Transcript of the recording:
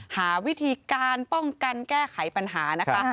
หาวิธีการป้องกันแก้ไขปัญหานะคะ